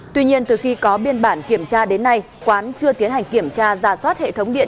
tuy nhiên từ khi có biên bản kiểm tra đến nay quán chưa tiến hành kiểm tra giả soát hệ thống điện